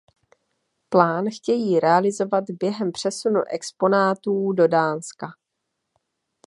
Plán chtějí realizovat během přesunu exponátů do Dánska.